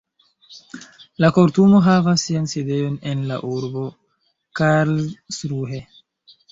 La kortumo havas sian sidejon en la urbo Karlsruhe.